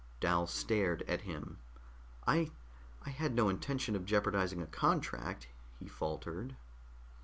Dal stared at him. "I I had no intention of jeopardizing a contract," he faltered.